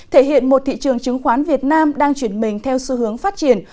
thể hiện một thị trường chứng khoán việt nam đang chuyển mình theo xu hướng phát triển